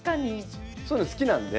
そういうの好きなんで。